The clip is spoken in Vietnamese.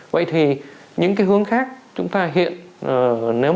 vậy thì những cái hướng khác chúng ta hiện